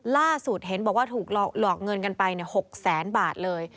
ล่าสุดเห็นบอกว่าถูกหลอกเงินกันไป๖แสนบาทเลย